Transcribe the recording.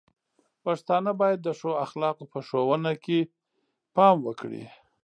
پښتانه بايد د ښو اخلاقو په ښوونه کې پام وکړي.